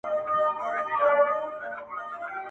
په ټولۍ کي د سیالانو موږ ملګري د کاروان کې!.